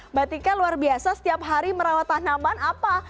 mbak tika luar biasa setiap hari merawat tanaman apa